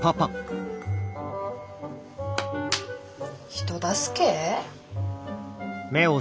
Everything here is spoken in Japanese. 人助け？